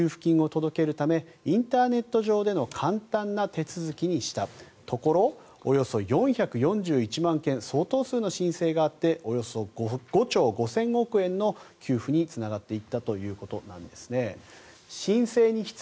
困っている事業者になるべく早く給付金を届けるためインターネット上の簡単な手続きにしたところおよそ４４１万件相当数の申請があっておよそ５兆５００億円の給付につながっていたということなんですね。